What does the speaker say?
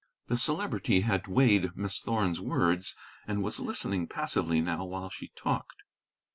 The Celebrity had weighed Miss Thorn's words and was listening passively now while she talked.